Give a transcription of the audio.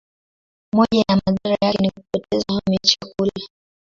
Moja ya madhara yake ni kupoteza hamu ya chakula.